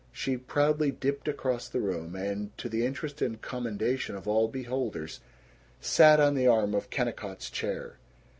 She proudly dipped across the room and, to the interest and commendation of all beholders, sat on the arm of Kennicott's chair.